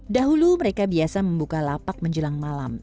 dahulu mereka biasa membuka lapak menjelang malam